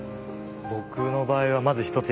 僕の場合はまず一つ